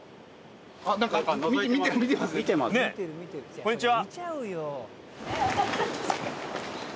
こんにちは。